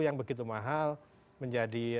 yang begitu mahal menjadi